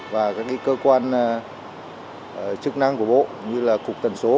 và các cơ quan chức năng của bộ như là cục tần số